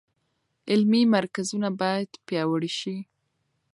علمي مرکزونه باید پیاوړي شي.